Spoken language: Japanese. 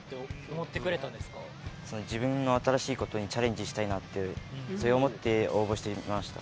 自分の新しい事にチャレンジしたいなってそう思って応募してみました。